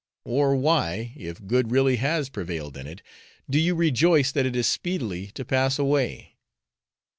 Or why, if good really has prevailed in it, do you rejoice that it is speedily to pass away?